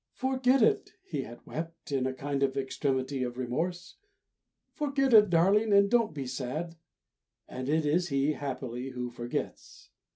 "Forget it," he had wept, in a kind of extremity of remorse; "forget it, darling, and don't, don't be sad;" and it is he, happily, who forgets.